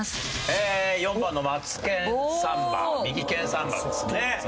４番の『マツケンサンバ』「右ケンサンバ」ですね。